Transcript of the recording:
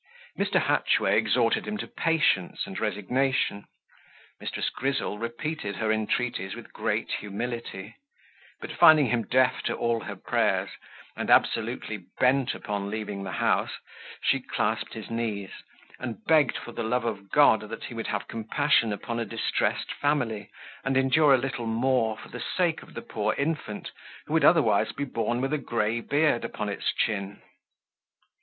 Mr. Hatchway exhorted him to patience and resignation; Mrs. Grizzle repeated her entreaties with great humility; but finding him deaf to all her prayers, and absolutely bent upon leaving the house, she clasped his knees, and begged for the love of God that he would have compassion upon a distressed family, and endure a little more for the sake of the poor infant, who would otherwise be born with a gray beard upon its chin.